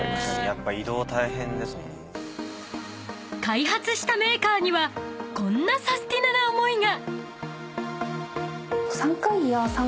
［開発したメーカーにはこんなサスティなな思いが］